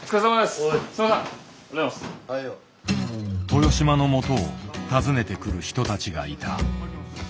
豊島のもとを訪ねてくる人たちがいた。